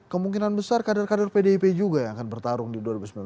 kemungkinan besar kader kader pdip juga yang akan bertarung di dua ribu sembilan belas